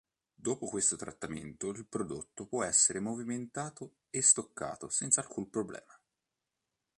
Dopo questo trattamento il prodotto può essere movimentato e stoccato senza alcun problema.